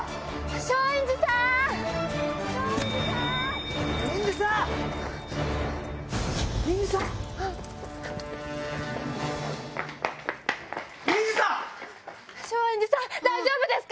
松陰寺さん、大丈夫ですか？